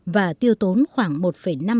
và tiêu tốn khoảng một triệu đô la